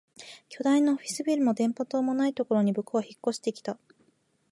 巨大なオフィスビルも電波塔もないところに僕は引っ越してきた